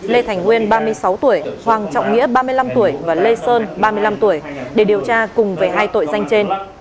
lê thành nguyên ba mươi sáu tuổi hoàng trọng nghĩa ba mươi năm tuổi và lê sơn ba mươi năm tuổi để điều tra cùng về hai tội danh trên